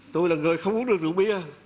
tôi là người không uống được rượu bia